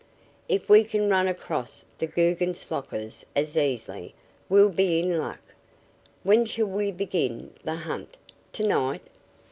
"If we can run across the Guggenslockers as easily, we'll be in luck. When shall we begin the hunt? Tonight?"